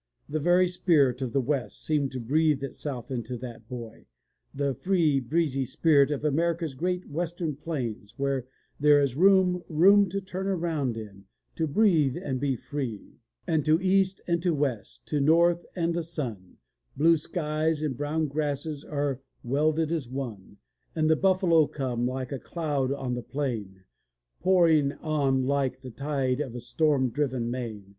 The very spirit of the West seemed to breathe itself into that boy, the free breezy spirit of America's great western plains, where there is "room, room to turn round in, to breathe and be free,'' ^'And to east and to west, to the north and the sun, Blue skies and brown grasses are welded as one. And the buffalo come, like a cloud on the plain. Pouring on like the tide of a storm driven main.